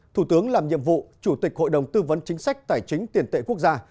thủ tướng làm nhiệm vụ chủ tịch hội đồng tư vấn chính sách tài chính tiền tệ quốc gia